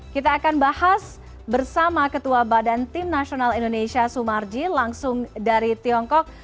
kita akan bahas bersama ketua badan tim nasional indonesia sumarji langsung dari tiongkok